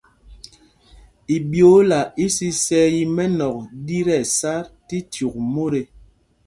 Iɓyoola isisɛɛ í mɛ́nɔ̂k ɗí tí ɛsá tí cyûk mot ê.